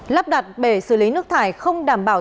lắp đặt bể xử lý nước thải không đảm bảo